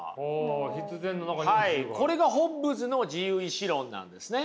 これがホッブズの自由意志論なんですね。